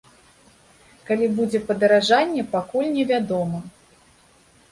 Калі будзе падаражанне, пакуль невядома.